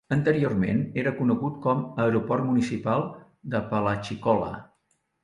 Anteriorment era conegut com a Aeroport municipal d'Apalachicola.